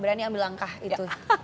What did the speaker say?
berani ambil langkah itu